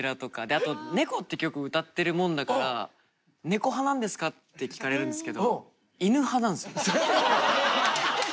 あと「猫」って曲歌ってるもんだから「猫派なんですか？」って聞かれるんですけど犬派なんですよ。